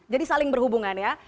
jadi saling berhubungan ya